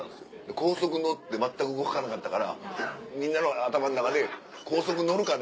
高速乗って全く動かなかったからみんなの頭の中で「高速乗るかね？」